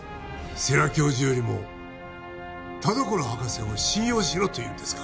世良教授よりも田所博士を信用しろというんですか？